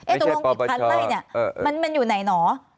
ตรงอีกพันไล่นี่มันอยู่ไหนหนอ